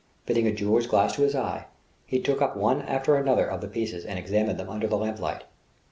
Fitting a jeweller's glass to his eye, he took up one after another of the pieces and examined them under the lamplight.